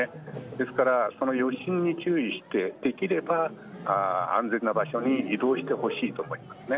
ですから、この余震に注意してできれば安全な場所に移動してほしいと思いますね。